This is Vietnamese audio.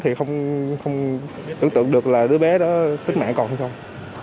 thì không tưởng tượng được là đứa bé đó tức mạng còn trong